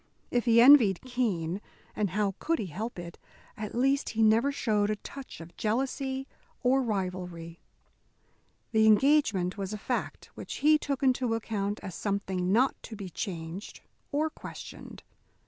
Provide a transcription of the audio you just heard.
If he envied Keene and how could he help it at least he never showed a touch of jealousy or rivalry. The engagement was a fact which he took into account as something not to be changed or questioned.